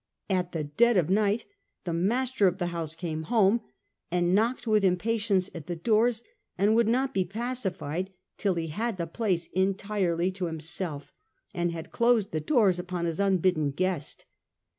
At the dead of night the master of the house came home, and knocked with impatience at the doors, and would not be pacified till he had the place entirely to himself, and had closed the doors upon his unbidden guest.